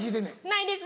ないです。